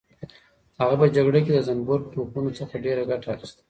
هغه په جګړه کې د زنبورک توپونو څخه ډېره ګټه اخیستله.